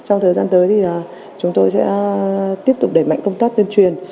trong thời gian tới thì chúng tôi sẽ tiếp tục đẩy mạnh công tác tuyên truyền